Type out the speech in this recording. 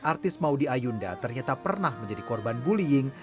artis maudie ayunda ternyata pernah menjadi korban bullying